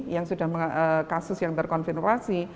yang sudah kasus yang terkonfirmasi